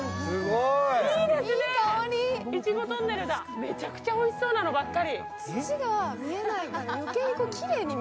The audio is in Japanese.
めちゃくちゃおいしそうなのばっかり。